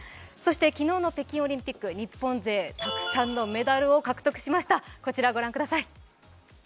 昨日の北京オリンピック、日本勢、たくさんのメダルを獲得しました。